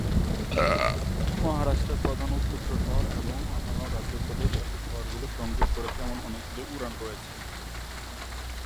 মহারাষ্ট্রের প্রধান ও ক্ষুদ্র শহর এবং অন্যান্য রাজ্যগুলির সাথে শহরটি সংযোগ করে এমন অনেকগুলি উড়ান রয়েছে।